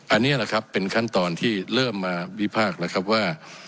อันนี้แหละครับเป็นขั้นตอนที่เริ่มมาวิพากษ์แล้วครับว่า